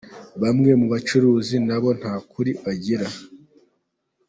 Bamwe mu bacuruzi nabo nta kuri bagira.